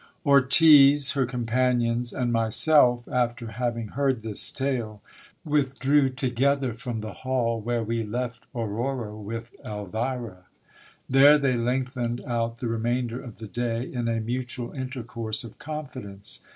Ortiz, her companions, and myself, after having heard this tale, withdrew to gether from the hall, where we left Aurora with Elvira. There they lengthened out the remainder of the day in a mutual intercourse of confidence.